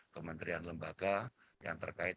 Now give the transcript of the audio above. kementerian lembaga yang terkait